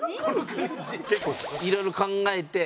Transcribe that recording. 結構いろいろ考えて？